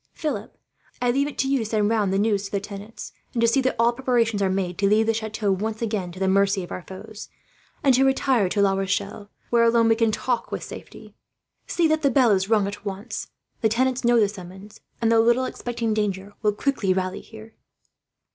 "Philip, I leave it to you to send round the news to the tenants, and to see that all preparations are made to leave the chateau, once again, to the mercy of our foes; and to retire to La Rochelle, where alone we can talk with safety. See that the bell is rung at once. The tenants know the summons and, though little expecting danger, will quickly rally here."